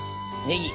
ねぎ。